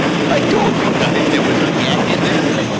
I told you guys there was a yak in this.